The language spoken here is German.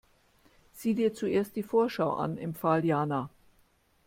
Sieh dir zuerst die Vorschau an, empfahl Jana.